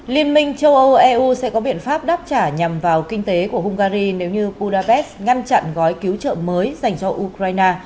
liên minh châu âu eu sẽ có biện pháp đáp trả nhằm vào kinh tế của hungary nếu như budapest ngăn chặn gói cứu trợ mới dành cho ukraine